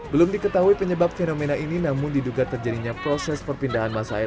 belum diketahui penyebab fenomena ini namun diduga terjadinya proses perpindahan masalah